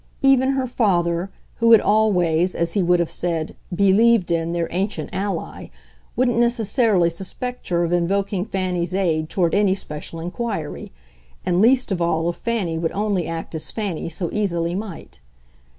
Even her father, who had always, as he would have said, "believed in" their ancient ally, wouldn't necessarily suspect her of invoking Fanny's aid toward any special inquiry and least of all if Fanny would only act as Fanny so easily might.